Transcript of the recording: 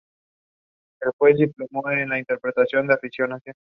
Arias-Misson vive con su madre, su abuela, Carole y Barbara.